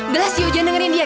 gassio jangan dengerin dia